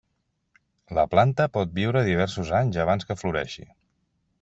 La planta pot viure diversos anys abans que floreixi.